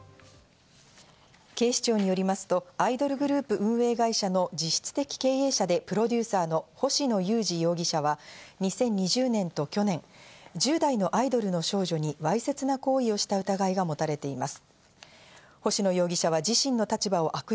警視庁によりますとアイドルグループ運営会社の実質的経営者で、プロデューサーの星野友志容疑者は２０２０年と去年、１０代のアイドルの少女にわいせつな行為をした疑いが持たれています。